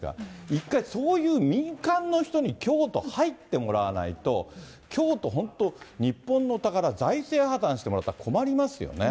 一回、そういう民間の人に京都、入ってもらわないと、京都、本当、日本の宝、財政破綻してもらったら困りますよね。